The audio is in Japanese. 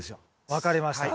分かりました。